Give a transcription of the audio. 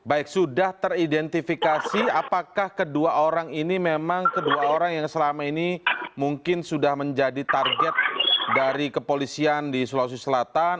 baik sudah teridentifikasi apakah kedua orang ini memang kedua orang yang selama ini mungkin sudah menjadi target dari kepolisian di sulawesi selatan